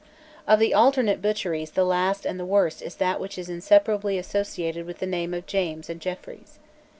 Of the alternate butcheries the last and the worst is that which is inseparably associated with the names of James and Jeffreys.